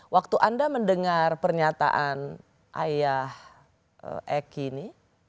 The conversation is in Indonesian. waktu anda mendengar pernyataan ayah eki ini